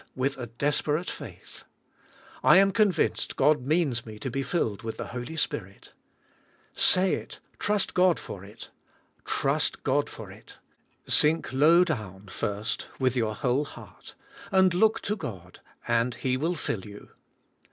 withadesperate faith. I am convinced God means me to be filled with the Holy Spirit. Say it; trust God for it. Trust God for it. Sink low down, first, with your whole heart, and look to God and He will fill you.